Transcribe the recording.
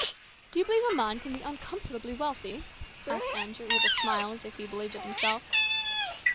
" Do you believe a man can be uncomfortably wealthy ?" asked Andrew with a smile as if he believed it himself.